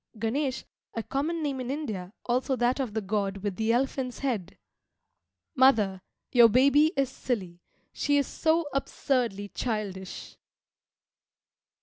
[Ganesh, a common name in India, also that of the god with the elephant's head.] Mother, your baby is silly, she is so absurdly childish!